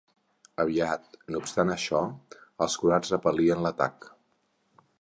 Aviat, no obstant això, els croats repel·lien l'atac.